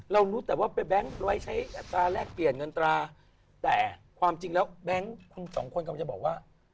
รู้แต่ว่าไปแบงค์ไว้ใช้อัตราแรกเปลี่ยนเงินตราแต่ความจริงแล้วแบงค์ทั้งสองคนกำลังจะบอกว่า